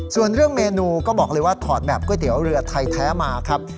ส่วนเรื่องเมนูก็บอกเลยว่าถอดแบบก๋วยเตี๋ยวเรือไทยแท้มาครับ